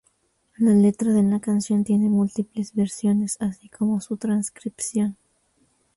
La letra de la canción tiene múltiples versiones, así como su transcripción.